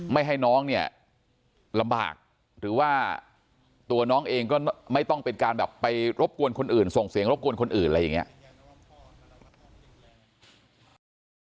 ไม่ให้น้องเนี่ยลำบากหรือว่าตัวน้องเองก็ไม่ต้องเป็นการแบบไปรบกวนคนอื่นส่งเสียงรบกวนคนอื่นอะไรอย่างนี้